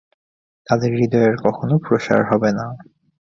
তাদের হৃদয়ের কখনও প্রসার হবে না।